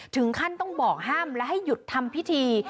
ถึงขั้นต้องบอกห้ามและให้หยุดทำพิธี